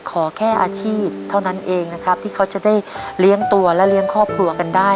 ขอแค่อาชีพเท่านั้นเองนะครับที่เขาจะได้เลี้ยงตัวและเลี้ยงครอบครัวกันได้